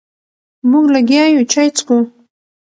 مونږ لګیا یو چای څکو.